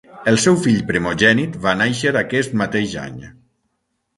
El seu fill primogènit va nàixer aquest mateix any.